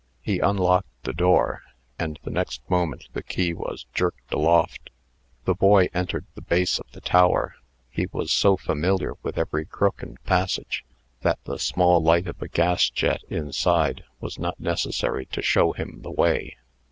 He unlocked the door, and the next moment the key was jerked aloft. The boy entered the base of the tower. He was so familiar with every crook and passage, that the small light of a gas jet, inside, was not necessary to show him the way.